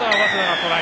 トライ！